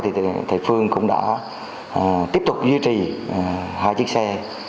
thì thầy phương cũng đã tiếp tục duy trì hai chiếc xe